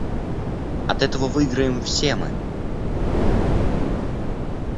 От этого выиграем все мы.